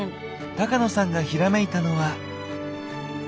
高野さんがひらめいたのは。